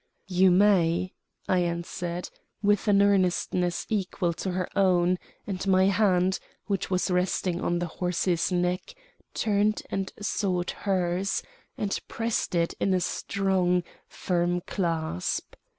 "You may," I answered, with an earnestness equal to her own, and my hand, which was resting on the horse's neck, turned and sought hers, and pressed it in a strong, firm clasp.